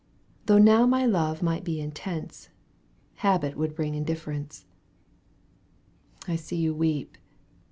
Though now my love might be intense, Habit would bring indififerejice. I see you weep.